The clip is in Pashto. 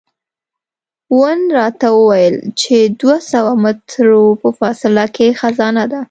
وون راته وویل چې دوه سوه مترو په فاصله کې خزانه ده.